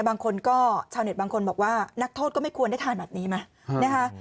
บางคนก็ชาวเน็ตบางคนบอกว่านักโทษก็ไม่ควรได้ทานแบบนี้ไหมนะคะ